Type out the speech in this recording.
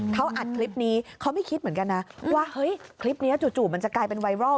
เขาอัดคลิปนี้เขาไม่คิดเหมือนกันนะว่าเฮ้ยคลิปนี้จู่มันจะกลายเป็นไวรัล